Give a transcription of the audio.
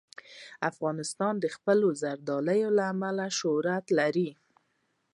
افغانستان د خپلو زردالو له امله شهرت لري.